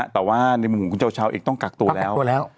แต่ว่าในมุมของคุณเช้าเองต้องกักตัวแล้ว